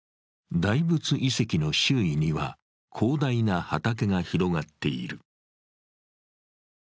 大仏遺跡の周囲には広大な畑が広がっている。